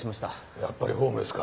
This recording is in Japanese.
やっぱりホームレスか。